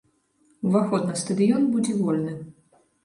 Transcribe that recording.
Уваход на стадыён будзе вольны.